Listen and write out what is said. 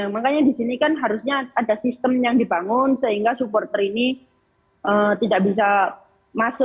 makanya di sini kan harusnya ada sistem yang dibangun sehingga supporter ini tidak bisa masuk